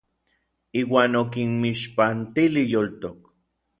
Iuan okinmixpantilij yoltok.